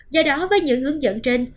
do đó với những hướng dẫn trên